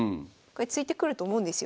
突いてくると思うんですよ。